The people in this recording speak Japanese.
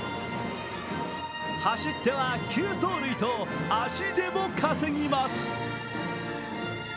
走っては９盗塁と足でも稼ぎます。